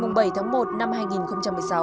ngày bảy tháng một năm hai nghìn một mươi sáu